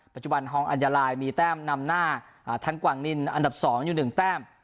ปัจจุบันฮองอัญญาลายมีแต้มนำหน้าทั้งกวางนินอันดับ๒อยู่๑แต้ม